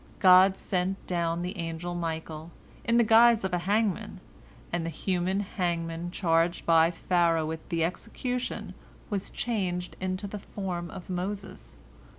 God sent down the angel Michael, in the guise of a hangman, and the human hangman charged by Pharaoh with the execution was changed into the form of Moses.